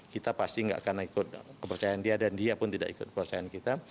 kita pasti nggak akan ikut kepercayaan dia dan dia pun tidak ikut kepercayaan kita